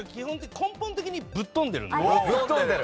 根本的にぶっ飛んでる。